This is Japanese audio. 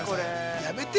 ◆やめてよ